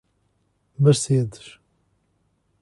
Mercedes